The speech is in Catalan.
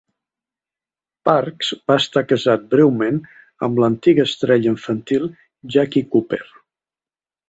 Parks va estar casat breument amb l'antiga estrella infantil Jackie Cooper.